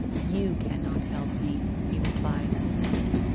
"You cannot help me," he repeated.